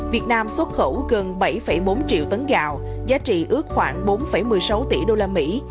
việt nam xuất khẩu gần bảy bốn triệu tấn gạo giá trị ước khoảng bốn một mươi sáu tỷ đô la mỹ